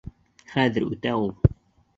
Хәҙер үтә ул...